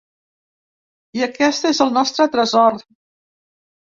I aquest és el nostre tresor.